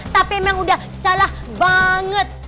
tapi emang udah salah banget